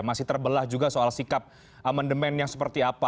masih terbelah juga soal sikap amendement yang seperti apa